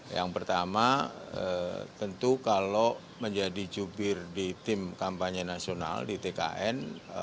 yang pertama tentu kalau menjadi jubir di tim kampanye nasional di tkn